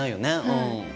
うん。